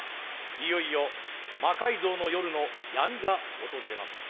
いよいよ「魔改造の夜」の闇が訪れます。